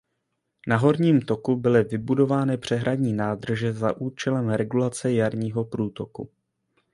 Na horním toku byly vybudovány přehradní nádrže za účelem regulace jarního průtoku.